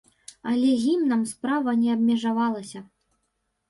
Але гімнам справа не абмежавалася.